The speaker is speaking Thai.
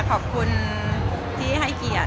ขอบคุณที่ให้เกียรติ